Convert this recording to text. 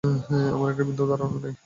আমার একটা বিন্দুও ধারণা নেই!